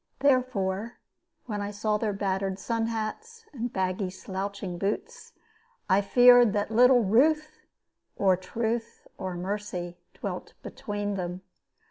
Therefore, when I saw their battered sun hats and baggy slouching boots, I feared that little ruth, or truth, or mercy dwelt between them.